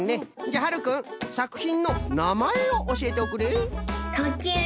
じゃはるくんさくひんのなまえをおしえておくれ。